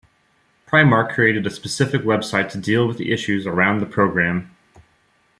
Primark created a specific website to deal with the issues around the programme.